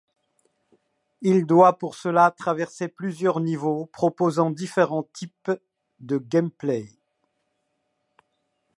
Il doit pour cela traverser plusieurs niveaux proposant différents types de gameplay.